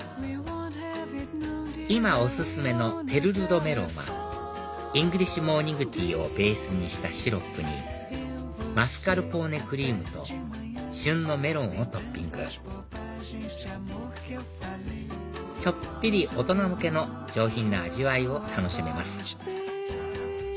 今お薦めのペルル・ド・メロンはイングリッシュモーニングティーをベースにしたシロップにマスカルポーネクリームと旬のメロンをトッピングちょっぴり大人向けの上品な味わいを楽しめます